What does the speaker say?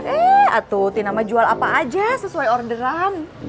eee atuh tina mah jual apa aja sesuai orderan